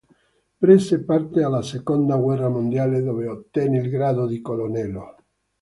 Prese parte alla seconda guerra mondiale, dove ottenne il grado di colonnello.